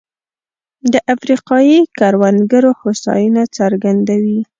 د افریقايي کروندګرو هوساینه څرګندوي.